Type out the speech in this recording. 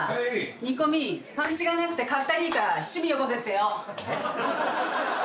煮込みパンチがなくてかったりいから七味よこせってよ。